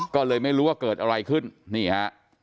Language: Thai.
ก็เลยไม่รู้ว่าเกิดอะไรขึ้นนี่ฮะ